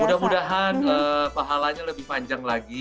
mudah mudahan pahalanya lebih panjang lagi